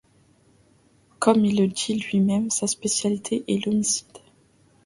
Comme il le dit lui-même, sa spécialité est l'homicide.